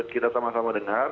kita sama sama dengar